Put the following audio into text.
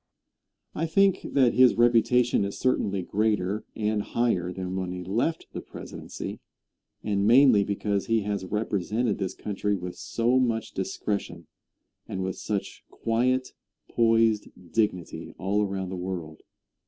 I think that his reputation is certainly greater and higher than when he left the presidency, and mainly because he has represented this country with so much discretion and with such quiet, poised dignity all around the world.